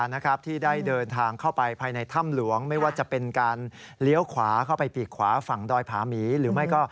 นี่แหละก็ถือเป็นการบอกเล่าประสบการณ์นะครับ